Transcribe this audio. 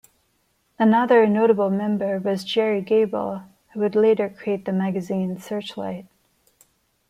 Another notable member was Gerry Gable, who would later create the magazine "Searchlight".